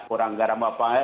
kurang garam apa enggak